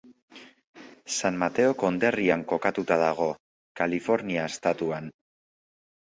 San Mateo konderrian kokatuta dago, Kalifornia estatuan.